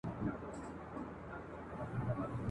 لېوه خره ته ویل ته تر ما هوښیار یې ..